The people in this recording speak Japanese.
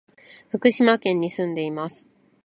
福島県に住んでいます。